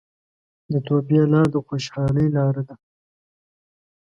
د توبې لار د خوشحالۍ لاره ده.